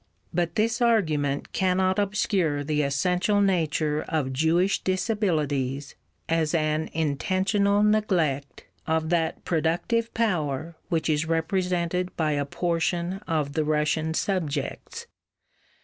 But this argument cannot obscure the essential nature of Jewish disabilities as an intentional neglect of that productive power which is represented by a portion of the Russian subjects.